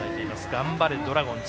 頑張れドラゴンズ！